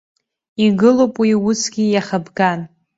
Игылоуп уи усгьы иахабган.